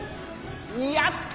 やった！